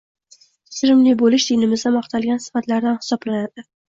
Kechirimli bo‘lish dinimizda maqtalgan sifatlardan hisoblanadi